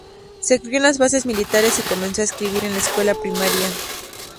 Se crió en las bases militares y comenzó a escribir en la escuela primaria.